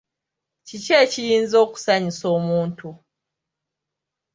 Kiki ekiyinza okusanyusa omuntu?